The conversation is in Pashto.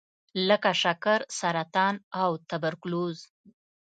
لکه شکر، سرطان او توبرکلوز.